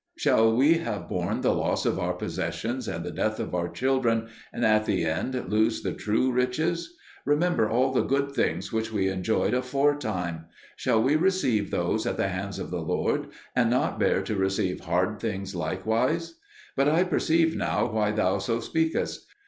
Shall we have borne the loss of our possessions, and the death of our children, and at the end lose the true riches? Remember all the good things which we enjoyed aforetime. Shall we receive those at the hands of the Lord, and not bear to receive hard things likewise? But I perceive now why thou so speakest.